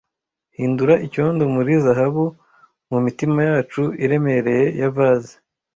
hindura icyondo muri zahabu mumitima yacu iremereye ya vase